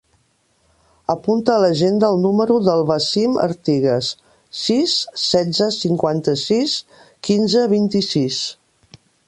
Apunta a l'agenda el número del Wassim Artigas: sis, setze, cinquanta-sis, quinze, vint-i-sis.